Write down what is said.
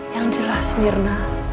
yang jelas mirna